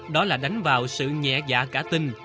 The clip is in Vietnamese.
đó là đánh vào sự nhẹ dạ cả tình